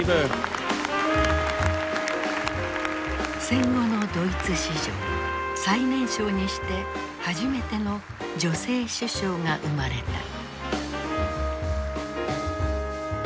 戦後のドイツ史上最年少にして初めての女性首相が生まれた。